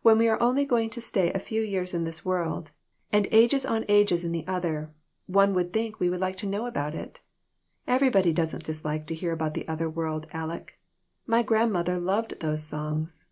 When we are only going to stay a few years in this world, and ages on ages in the other, one would think we would like to know about it. Everybody doesn't dislike to hear about the other world, Aleck ; my grandmother loves those songs."